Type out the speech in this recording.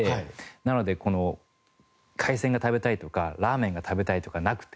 なので海鮮が食べたいとかラーメンが食べたいとかなくて。